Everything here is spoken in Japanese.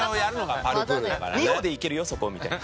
２歩で行けるよそこみたいな。